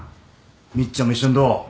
みっちゃんも一緒にどう？